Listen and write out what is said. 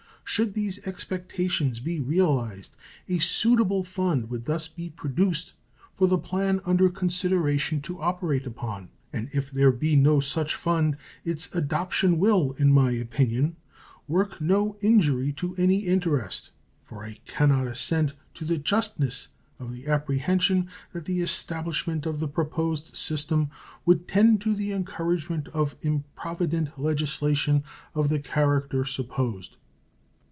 Should these expectations be realized, a suitable fund would thus be produced for the plan under consideration to operate upon, and if there be no such fund its adoption will, in my opinion, work no injury to any interest; for I can not assent to the justness of the apprehension that the establishment of the proposed system would tend to the encouragement of improvident legislation of the character supposed.